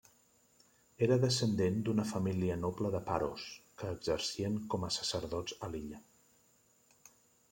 Era descendent d'una família noble de Paros que exercien com a sacerdots a l'illa.